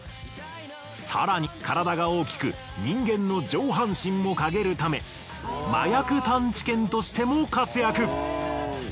更に体が大きく人間の上半身も嗅げるため麻薬探知犬としても活躍。